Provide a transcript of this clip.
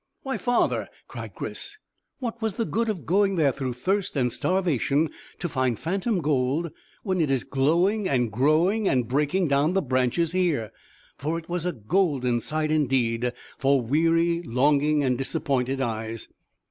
"Why, father," cried Chris, "what was the good of going there through thirst and starvation to find phantom gold when it is glowing and growing, and breaking down the branches here?" For it was a golden sight indeed for weary, longing and disappointed eyes.